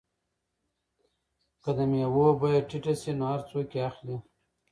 که د مېوو بیه ټیټه شي نو هر څوک یې اخلي.